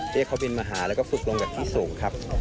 เรียกเขาบินมาหาแล้วก็ฝึกลงจากที่สูงครับ